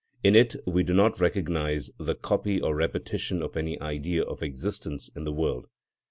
In it we do not recognise the copy or repetition of any Idea of existence in the world.